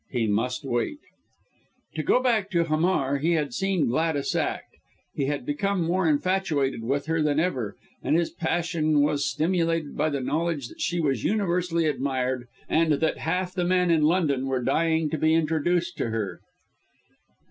He must wait. To go back to Hamar. He had seen Gladys act; he had become more infatuated with her than ever; and his passion was stimulated by the knowledge that she was universally admired, and that half the men in London were dying to be introduced to her.